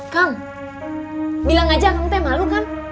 kang bilang aja kang teh malu kan